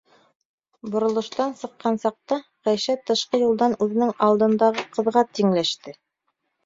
Боролоштан сыҡҡан саҡта, Ғәйшә тышҡы юлдан үҙенең алдындағы ҡыҙға тиңләште.